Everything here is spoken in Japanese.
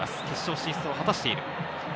決勝進出を果たしている。